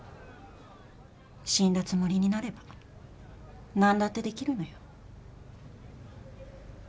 死んだつもりになれば何だってできるのよ。